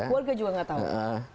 keluarga juga nggak tahu